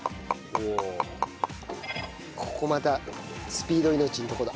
ここまたスピード命のとこだ。